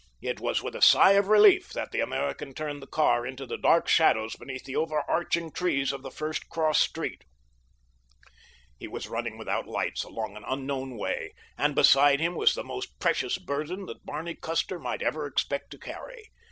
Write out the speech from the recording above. It was with a sigh of relief that the American turned the car into the dark shadows beneath the overarching trees of the first cross street. He was running without lights along an unknown way; and beside him was the most precious burden that Barney Custer might ever expect to carry.